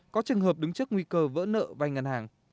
có trường hợp đứng trước nguy cơ vỡ nợ vay ngân hàng